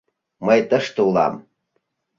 Мый тыште улам!..